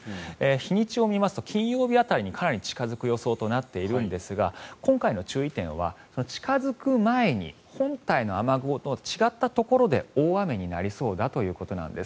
日にちを見ますと金曜日辺りにかなり近付く予想となっているんですが今回の注意点は近付く前に本体の雨雲と違ったところで大雨になりそうだということなんです。